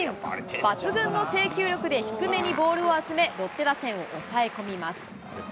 抜群の制球力で低めにボールを集め、ロッテ打線を抑え込みます。